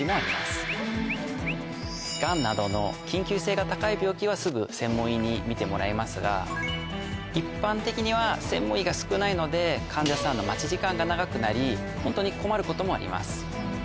がんなどの緊急性が高い病気はすぐ専門医に診てもらいますが一般的には専門医が少ないので患者さんの待ち時間が長くなりホントに困ることもあります。